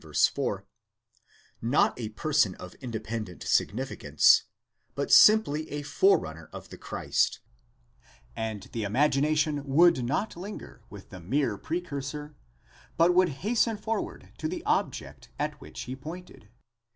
4), not a person of independent significance, but simply a Forerunner of the Christ; and the imagination would not linger with the mere Precursor, but would hasten forward to the object at which he pointed.